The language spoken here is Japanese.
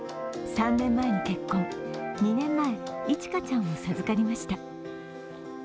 ３年前に結婚、２年前、いちかちゃんを授かりました。